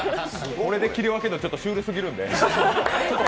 これで切り分けるのはちょっとシュールすぎるので。